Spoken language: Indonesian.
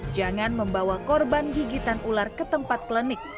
jangan membawa korban gigitan ular ke tempat klinik